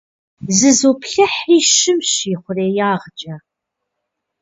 Зызоплъыхьри щымщ ихъуреягъкӏэ.